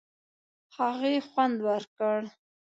هغې خوند ورکړ.